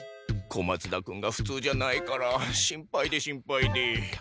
小松田君が普通じゃないから心配で心配で。